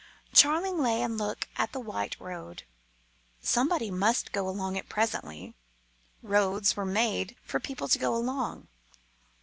Charling lay and looked at the white road. Somebody must go along it presently. Roads were made for people to go along.